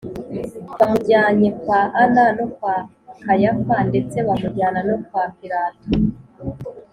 bamujyanye kwa anna no kwa kayafa, ndetse bamujyana no kwa pilato